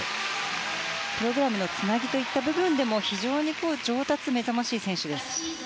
プログラムのつなぎといった部分でも非常に上達が目覚ましい選手です。